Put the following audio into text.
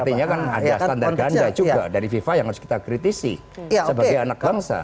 artinya kan ada standar ganda juga dari fifa yang harus kita kritisi sebagai anak bangsa